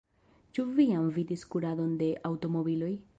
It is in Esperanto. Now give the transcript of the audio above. Ĉu vi jam vidis kuradon de aŭtomobiloj?